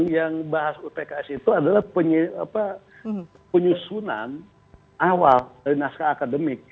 yang bahas upks itu adalah penyusunan awal dari naskah akademik